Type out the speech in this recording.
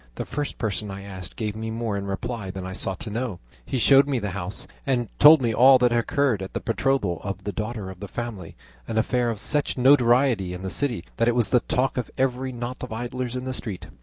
The first person I asked gave me more in reply than I sought to know; he showed me the house, and told me all that had occurred at the betrothal of the daughter of the family, an affair of such notoriety in the city that it was the talk of every knot of idlers in the street.